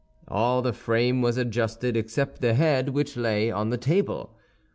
All the frame was adjusted except the head, which lay on the table.